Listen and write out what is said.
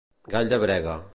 Gall de brega.